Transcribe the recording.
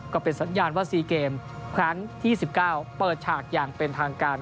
ก็เป็นสัญญาณว่า๔เกมครั้งที่๑๙เปิดฉากอย่างเป็นทางการ